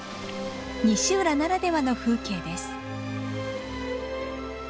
西浦ならではの風景です。